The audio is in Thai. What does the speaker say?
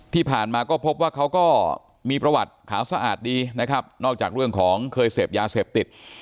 ที่ผ่านมาก็พบว่าเขาก็มีประวัติขาวสะอาดดีนะครับนอกจากเรื่องของเคยเสพยาเสพติด